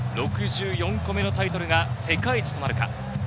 ６４個目のタイトルが世界一となるか。